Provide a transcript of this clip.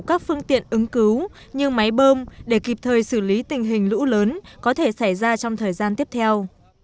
các phương tiện ứng cứu như máy bơm để kịp thời xử lý tình hình lũ lớn có thể xảy ra trong thời gian tiếp theo